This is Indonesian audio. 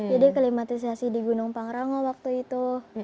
jadi aklimatisasi di gunung pangrango waktu itu